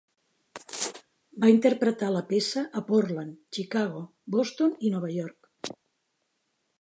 Va interpretar la peça a Portland, Chicago, Boston i Nova York.